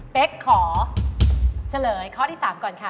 ขอเฉลยข้อที่๓ก่อนค่ะ